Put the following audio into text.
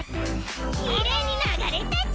きれいにながれたち！